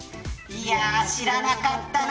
知らなかったな。